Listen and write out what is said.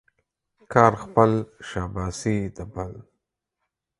کار خپل ، شاباسي د بل.